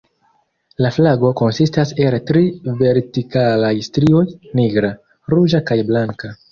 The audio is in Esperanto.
La flago konsistas el tri vertikalaj strioj: nigra, ruĝa kaj blanka.